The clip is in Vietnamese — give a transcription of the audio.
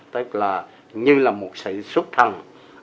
tức là như là một sự xuất thăng